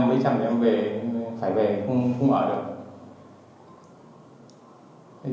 mấy trăm thì em phải về không ở được